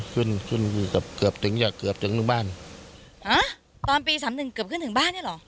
ขึ้นขึ้นอยู่กับเกือบเกือบถึงอยากเกือบถึงบ้านฮะตอนปีสามหนึ่งเกือบขึ้นถึงบ้านเนี้ยเหรอ